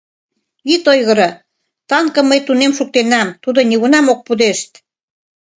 Ит ойгыро, танкым мый тунем шуктенам, тудо нигунам ок пудешт.